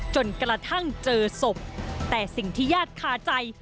จนกระทั่งเจอศพแต่สิ่งที่ญาติคาใจ